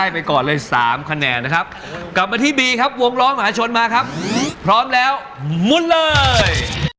มาชวนมาครับพร้อมแล้วมุ่นเลย